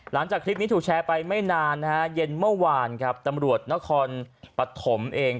หลังจากคลิปนี้ถูกแชร์ไปไม่นานนะฮะเย็นเมื่อวานครับตำรวจนครปฐมเอง